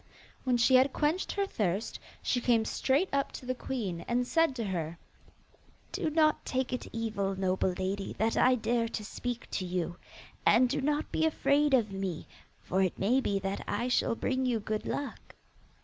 When she had quenched her thirst, she came straight up to the queen, and said to her: 'Do not take it evil, noble lady, that I dare to speak to you, and do not be afraid of me, for it may be that I shall bring you good luck.